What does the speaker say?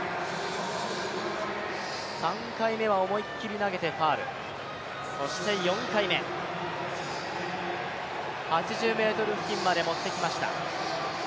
３回目は思いっきり投げてファウルそして４回目、８０ｍ付近まで持ってきました。